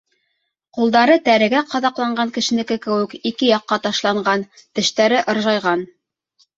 Ҡулдары тәрегә ҡаҙаҡланған кешенеке кеүек ике яҡҡа ташланған, тештәре ыржайған.